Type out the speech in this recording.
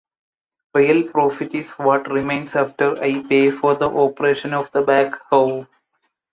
Real profit is what remains after I pay for the operation of the backhoe.